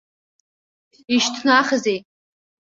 Ишьҭнахзеи?